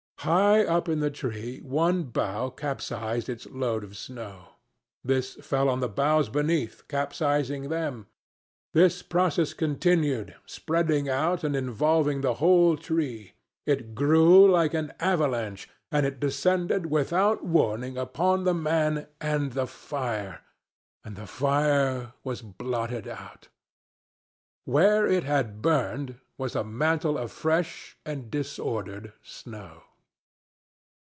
High up in the tree one bough capsized its load of snow. This fell on the boughs beneath, capsizing them. This process continued, spreading out and involving the whole tree. It grew like an avalanche, and it descended without warning upon the man and the fire, and the fire was blotted out! Where it had burned was a mantle of fresh and disordered snow.